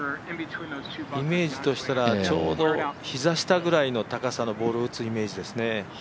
イメージとしたらちょうど膝下ぐらいの高さのボールを打つイメージですね。